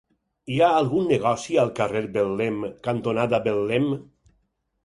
Hi ha algun negoci al carrer Betlem cantonada Betlem?